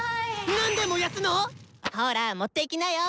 何で燃やすの⁉ほら持っていきなよ！